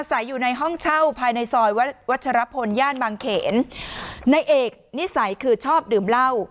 ใส่อยู่ในห้องเช่าภายในซอยวัชรพลย่านบางเขนนายเอกนิสัยคือชอบดื่มเหล้า